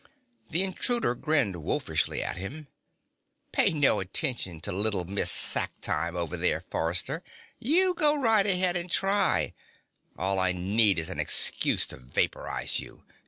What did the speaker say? The intruder grinned wolfishly at him. "Pay no attention to Little Miss Sacktime over there, Forrester. You go right ahead and try it! All I need is an excuse to vaporize you.